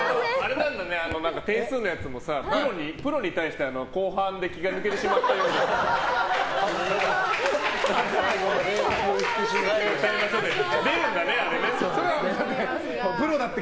点数のやつもさ、プロに対して後半で気が抜けてしまったようですって。